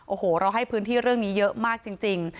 โอ้โหเราให้พื้นที่เรื่องนี้เยอะมากจริง